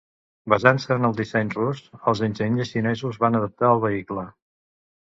Basant-se en el disseny rus, els enginyers xinesos van adaptar el vehicle.